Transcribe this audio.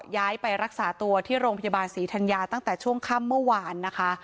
ย้ายไปรักษาตัวที่โรงพยาบาลศรีธัญญาตั้งแต่ช่วงค่ำเมื่อวานนะคะ